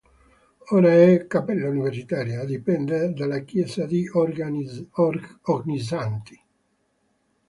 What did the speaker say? Ora è "cappella universitaria" dipendente dalla chiesa di Ognissanti.